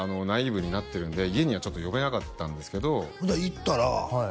ナイーブになってるんで家にはちょっと呼べなかったんですけど行ったら